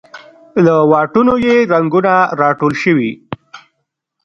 له واټونو یې رنګونه راټول شوې